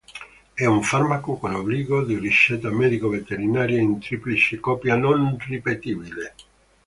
È un farmaco con obbligo di ricetta medico veterinaria in triplice copia non ripetibile.